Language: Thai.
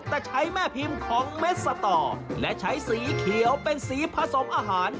แต่ใช้แม่พิมพ์ของเม็ดสต่อและใช้สีเขียวเป็นสีผสมอาหาร